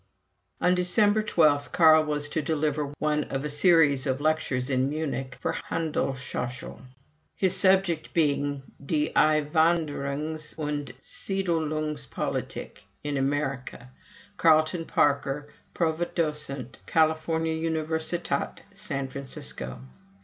On December 12 Carl was to deliver one of a series of lectures in Munich for the Handelshochschule, his subject being "Die Einwanderungs und Siedelungspolitik in Amerika (Carleton Parker, Privatdocent, California Universität, St. Francisco)."